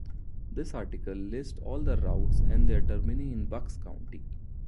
This article lists all the routes and their termini in Bucks County.